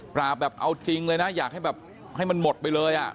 แบบเอาจริงเลยนะอยากให้แบบให้มันหมดไปเลย